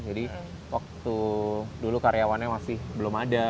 jadi waktu dulu karyawannya masih belum ada